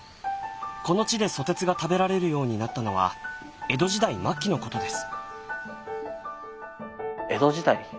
この地でソテツが食べられるようになったのは江戸時代末期のことです。